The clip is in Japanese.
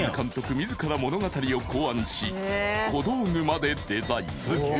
自ら物語を考案し小道具までデザイン